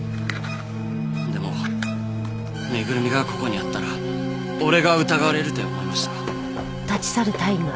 でもぬいぐるみがここにあったら俺が疑われるって思いました。